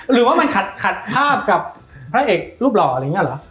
หรือว่ามันขัดภาพกับพระเอกรูปหล่ออะไรอย่างนี้เหรอ